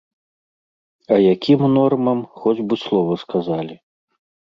А якім нормам, хоць бы слова сказалі.